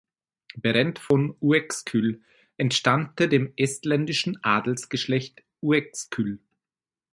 Berend von Uexküll entstammte dem estländischen Adelsgeschlecht Uexküll.